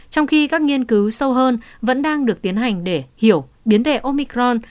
trong khi các nghiên cứu sâu hơn vẫn đang được tiến hành để hiểu biến đệ omicron